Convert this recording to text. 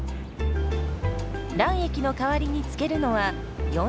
卵液の代わりにつけるのは４０℃のお湯。